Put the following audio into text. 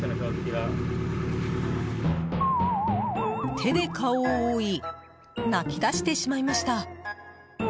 手で顔を覆い泣き出してしまいました。